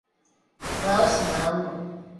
Klausi mammu!